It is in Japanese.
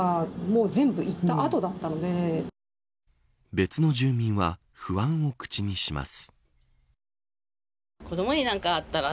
別の住民は不安を口にします。